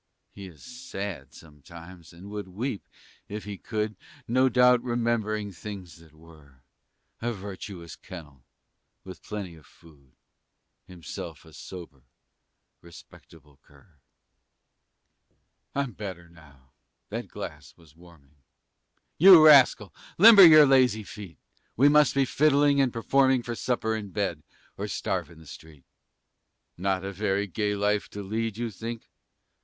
He is sad sometimes, and would weep, if he could, No doubt remembering things that were, A virtuous kennel, with plenty of food, And himself a sober, respectable cur. I'm better now; that glass was warming. You rascal! limber your lazy feet! We must be fiddling and performing For supper and bed, or starve in the street. Not a very gay life to lead, you think?